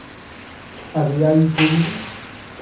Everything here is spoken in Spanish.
¿habíais bebido?